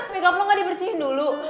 make up lo gak dibersihin dulu